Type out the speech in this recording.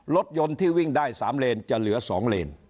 รถยนต์ที่วิ่งได้๓เลนจะเหลือ๒เลน